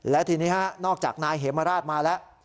และทีนี้ฮะนอกจากนายเหมราชมาแล้ว